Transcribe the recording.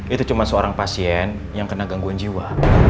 itu cuma seorang pasien yang kena gangguan jiwa